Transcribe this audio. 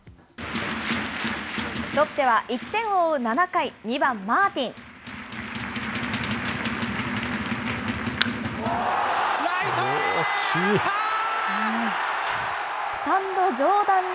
ロッテは１回を追う７回、２番マライトへ。